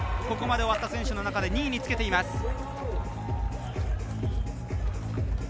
ここまで終わった選手の中で２位につけています。